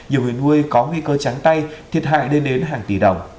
nhiều người nuôi có nguy cơ trắng tay thiệt hại lên đến hàng tỷ đồng